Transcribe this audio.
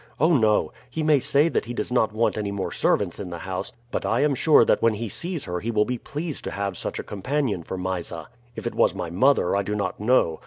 "Oh, no; he may say that he does not want any more servants in the house, but I am sure that when he sees her he will be pleased to have such a companion for Mysa. If it was my mother I do not know.